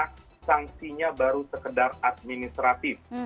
karena sanksinya baru sekedar administratif